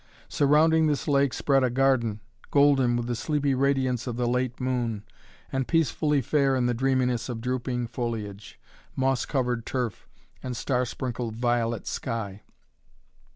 Surrounding this lake spread a garden, golden with the sleepy radiance of the late moon, and peacefully fair in the dreaminess of drooping foliage, moss covered turf and star sprinkled violet sky.